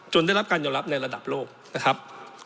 ได้รับการยอมรับในระดับโลกนะครับ